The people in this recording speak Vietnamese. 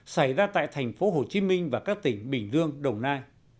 xảy ra tại thành phố hồ chí minh và các tỉnh bình dương đồng nai